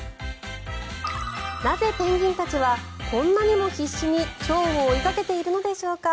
なぜ、ペンギンたちはこんなにも必死にチョウを追いかけているのでしょうか。